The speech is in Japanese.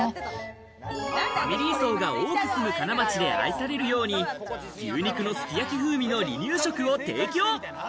ファミリー層が多く住む金町で愛されるように牛肉のすき焼き風味の離乳食を提供。